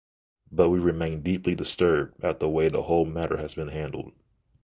But we remain deeply disturbed at the way the whole matter has been handled.